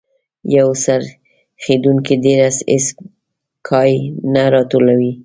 یو څرخیدونکی ډبره هیڅ کای نه راټولوي.